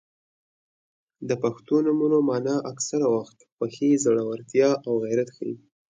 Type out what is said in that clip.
• د پښتو نومونو مانا اکثره وخت خوښي، زړورتیا او غیرت ښيي.